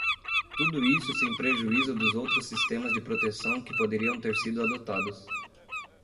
Tudo isso sem prejuízo dos outros sistemas de proteção que poderiam ter sido adotados.